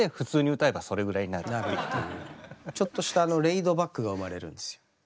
ちょっとしたレイド・バックが生まれるんですよ。